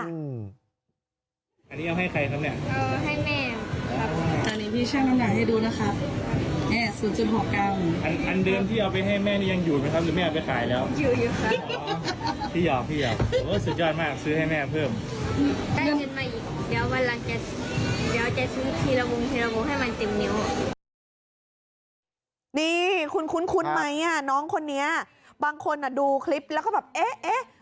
นี่คุณคุ้นไหมน้องคนนี้บางคนดูคลิปแล้วก็แบบเอ๊ะ